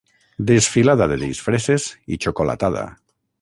Desfilada de disfresses i xocolatada.